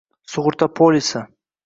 sug'urta polisi